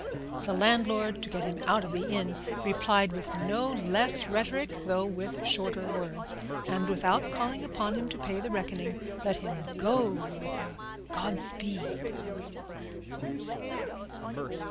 The landlord, to get him out of the inn, replied with no less rhetoric though with shorter words, and without calling upon him to pay the reckoning let him go with a Godspeed.